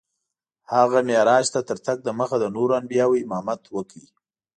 هغه معراج ته تر تګ دمخه د نورو انبیاوو امامت وکړ.